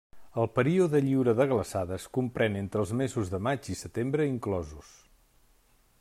El període lliure de glaçades comprèn entre els mesos de maig i setembre inclosos.